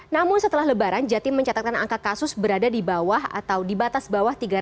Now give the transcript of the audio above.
namun setelah lebaran jatim mencatatkan angka kasus berada di bawah atau di batas bawah tiga ratus